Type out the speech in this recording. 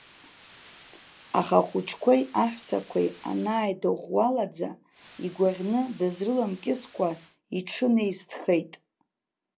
Аха ахәыҷқәеи аҳәсақәеи анааидыӷәӷәалаӡа, игәаӷьны дызрыламкьыскәа, иҽынеисҭхеит.